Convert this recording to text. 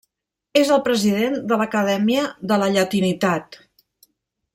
És el president de l’Acadèmia de la Llatinitat.